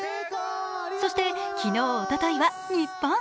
そして昨日、おとといは日本。